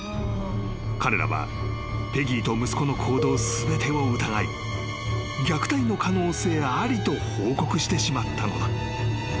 ［彼らはペギーと息子の行動全てを疑い虐待の可能性ありと報告してしまったのだ］